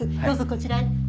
どうぞこちらへ。